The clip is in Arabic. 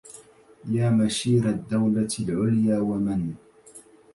يا مشير الدولة العليا ومن